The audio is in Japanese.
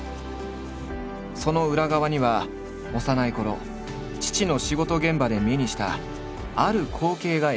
その裏側には幼いころ父の仕事現場で目にしたある光景が影響している。